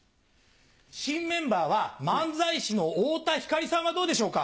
新メンバーは漫才師の太田光さんはどうでしょうか？